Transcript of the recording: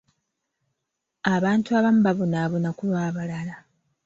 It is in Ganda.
Abantu abamu babonaabona ku lw'abalala.